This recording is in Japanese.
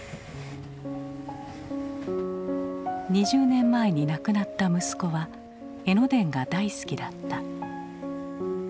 ２０年前に亡くなった息子は江ノ電が大好きだった。